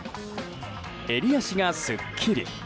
襟足がすっきり。